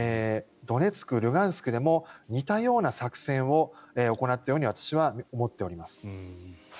ドネツク、ルガンスクでも似たような作戦を行ったように私は思っております。